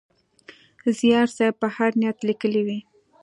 زیار صېب په هر نیت لیکلی وي.